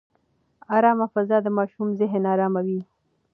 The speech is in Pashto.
ارامه فضا د ماشوم ذهن اراموي.